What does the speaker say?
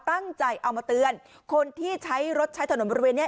ตั้งใจเอามาเตือนคนที่ใช้รถใช้ถนนบริเวณนี้